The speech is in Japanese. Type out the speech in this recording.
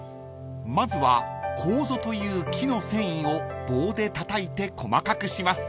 ［まずはコウゾという木の繊維を棒でたたいて細かくします］